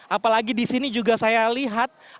apalagi di sini juga saya lihat